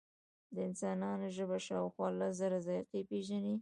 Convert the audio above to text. د انسان ژبه شاوخوا لس زره ذایقې پېژني.